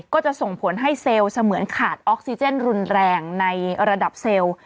ก็จะส่งผลให้เซลล์เสมือนขาดออกซิเจนรุนแรงในระดับเซลล์